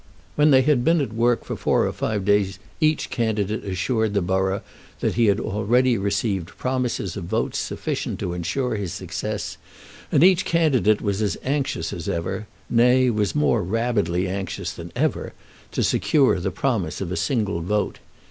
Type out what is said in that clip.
When they had been at work for four or five days each candidate assured the borough that he had already received promises of votes sufficient to insure his success, and each candidate was as anxious as ever, nay, was more rabidly anxious than ever, to secure the promise of a single vote.